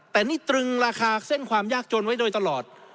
แต่นี่ตรึงราคาเส้นความยากจนไว้โดยตลอด